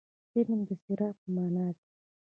علم د څراغ په معنا دي.